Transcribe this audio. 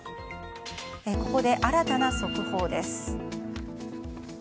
ここで、新たな速報です。